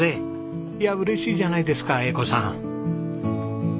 いや嬉しいじゃないですか栄子さん。